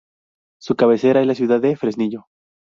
Su cabecera es la ciudad de Fresnillo.